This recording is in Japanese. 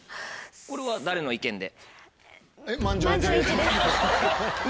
これは誰の意見で？